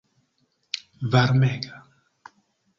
varmega